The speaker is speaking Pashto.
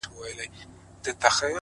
هره ورځ د فرصتونو خزانه ده